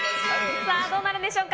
さあ、どうなるんでしょうか。